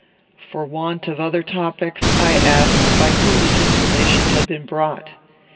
"For want of other topics, I asked by whom this information had been brought.